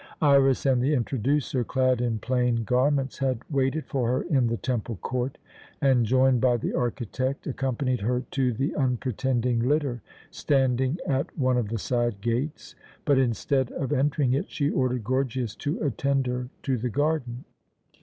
Iras and the "Introducer," clad in plain garments, had waited for her in the temple court and, joined by the architect, accompanied her to the unpretending litter standing at one of the side gates but, instead of entering it, she ordered Gorgias to attend her to the garden.